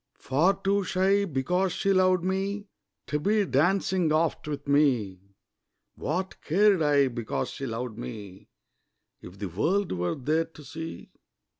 Far too shy, because she loved me, To be dancing oft with me; What cared I, because she loved me, If the world were there to see?